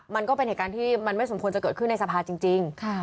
มันก็เป็นเหตุการณ์ที่มันไม่สมควรจะเกิดขึ้นในสภาจริง